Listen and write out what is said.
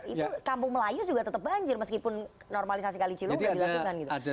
itu kampung melayu juga tetap banjir meskipun normalisasi kali ciliwung tidak dilakukan